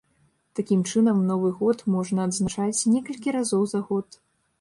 Такім чынам новы год можна адзначаць некалькі разоў за год.